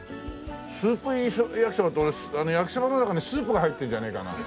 スープ入りやきそばって俺焼きそばの中にスープが入ってるんじゃないかな。